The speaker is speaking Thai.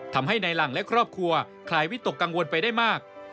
ทำให้ในหลังและครอบครัวคลายวิตกกังวลไปได้มาก